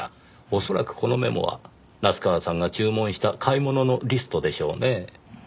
おそらくこのメモは夏河さんが注文した買い物のリストでしょうねぇ。